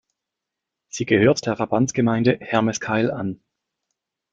Sie gehört der Verbandsgemeinde Hermeskeil an.